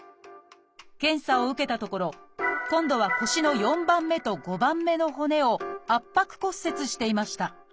検査を受けたところ今度は腰の４番目と５番目の骨を圧迫骨折していました。